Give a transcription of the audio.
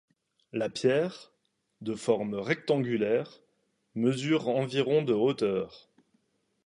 La pierre, de forme rectangulaire, mesure environ de hauteur.